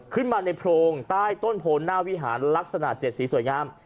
ขึ้นมาในโพรงใต้ต้นโพนหน้าวิหารลักษณะ๗สีสวยงาม